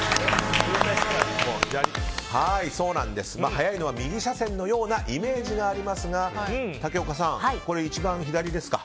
早いのは右車線のようなイメージがありますが竹岡さん、一番左ですか。